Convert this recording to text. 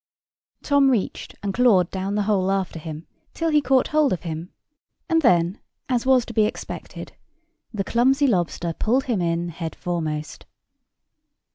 Tom reached and clawed down the hole after him, till he caught hold of him; and then, as was to be expected, the clumsy lobster pulled him in head foremost.